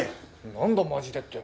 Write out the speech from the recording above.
何だマジでって。